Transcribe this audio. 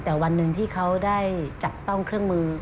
แต่วันหนึ่งที่เขาได้จับต้องเครื่องมือ